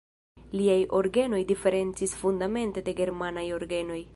Liaj orgenoj diferencis fundamente de germanaj orgenoj.